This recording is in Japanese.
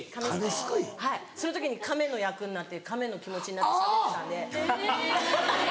その時に亀の役になって亀の気持ちになってしゃべってたんでアハハハ！